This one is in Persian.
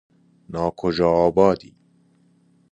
ناکجاآبادی